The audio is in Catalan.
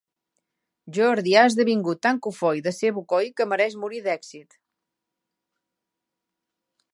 Jordi ha esdevingut tan cofoi de ser bocoi que mereix morir d'èxit.